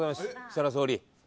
設楽総理。